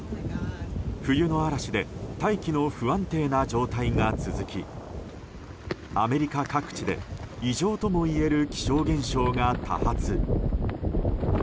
冬の嵐で大気の不安定な状態が続きアメリカ各地で異常ともいえる気象現象が多発。